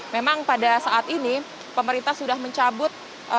memang pada saat ini pemerintah sudah mencabut